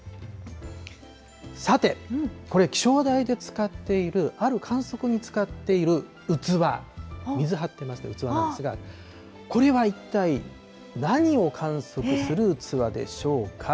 さて、これ、気象台で使っているある観測に使っている器、水張ってまして、器なんですが、これは一体、何を観測する器でしょうか。